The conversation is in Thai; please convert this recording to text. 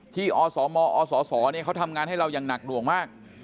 ที่อสมอสสเนี่ยเขาทำงานให้เรายังหนักด่วงมาก